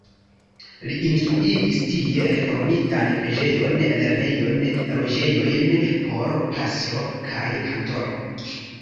Li konstruigis tie reformitan preĝejon, lernejon, loĝejojn por pastro kaj kantoro.